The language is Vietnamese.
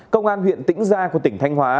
công an huyện tĩnh gia của tỉnh thanh hóa